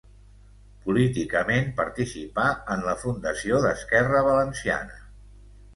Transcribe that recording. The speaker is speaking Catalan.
Políticament participà en la fundació d'Esquerra Valenciana.